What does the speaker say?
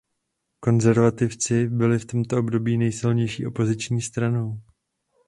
Konzervativci byli v tomto období nejsilnější opoziční stranou.